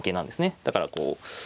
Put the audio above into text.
だからこう。